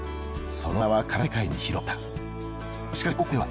その名は空手界に広まった。